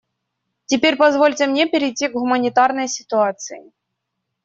Теперь позвольте мне перейти к гуманитарной ситуации.